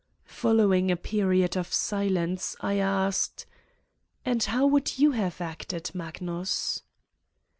Following a period of silence, I asked : "And how would you have acted, Magnus?"